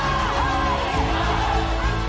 viru perusahaan yang jauh merci peace